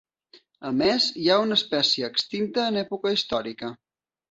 A més hi ha una espècie extinta en època històrica.